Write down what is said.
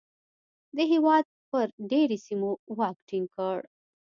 د هېواد پر ډېری سیمو واک ټینګ کړ.